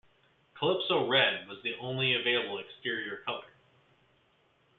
Calypso Red was the only available exterior colour.